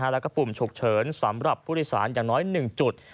แล้วก็ปุ่มฉุกเฉินสำหรับผู้โดยสารอย่างน้อย๑จุด